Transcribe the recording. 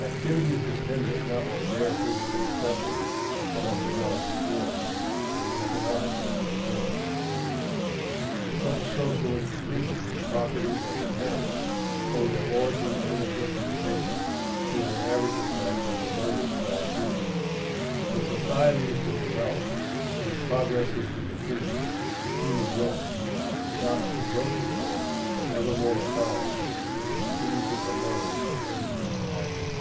Activity is dependent not on bare physical necessity, but on developed wants in the economic sense of the term. Such social institutions as property and inheritance owe their origin and their justification to their average effect on the motives to activity. If society is to develop, if progress is to continue, human wants not of the grosser sort, but ever more refined must continue to emerge and urge men to action.